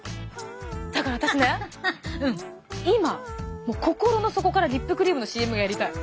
だから私ね今心の底からリップクリームのＣＭがやりたい。